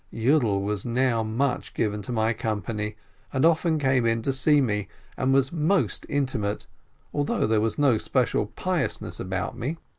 Yiidel was now much given to my company, and often came in to see me, and was most intimate, although there was no special piousness about me.